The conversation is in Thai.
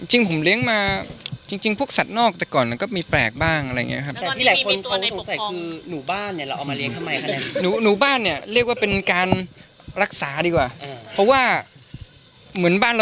จริงผมเลี้ยงมาพวกสัตว์นอกแต่ก่อนก็มีแปลกบ้าง